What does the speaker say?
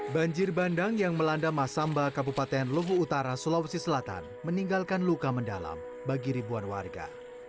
banjir bandang yang melanda masamba kabupaten luhu utara sulawesi selatan meninggalkan luka mendalam bagi ribuan warga